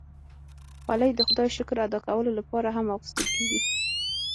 خولۍ د خدای شکر ادا کولو لپاره هم اغوستل کېږي.